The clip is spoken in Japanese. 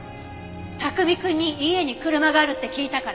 卓海くんに家に車があるって聞いたから？